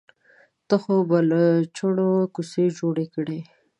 ته خو به له څڼو کوڅۍ جوړې کړې.